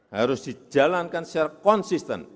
harus dijalankan secara konsisten